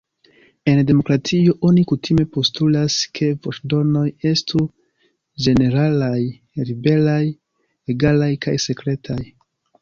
En demokratio, oni kutime postulas ke voĉdonoj estu ĝeneralaj, liberaj, egalaj kaj sekretaj.